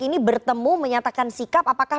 ini bertemu menyatakan sikap apakah